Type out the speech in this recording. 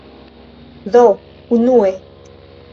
Do, unue